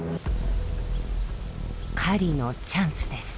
狩りのチャンスです。